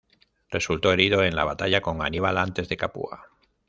Resultó herido en la batalla con Aníbal antes de Capua.